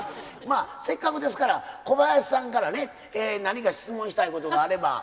まあせっかくですから小林さんからね何か質問したいことがあれば。